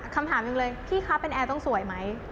คำถามหนึ่งเลยพี่คะเป็นแอร์ต้องสวยไหม